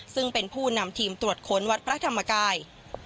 ซึ่งเป็นผู้นำทีมตรวจค้นวัดพระธรรมกาย